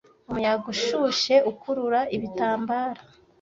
umuyaga ushushe ukurura ibitambara